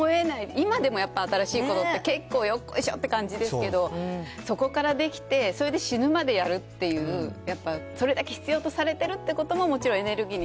今でもやっぱ新しいことって、結構よっこいしょっていう感じですけど、そこからできて、それで死ぬまでやるっていう、やっぱそれだけ必要とされてるってことももちろん、エネルギーに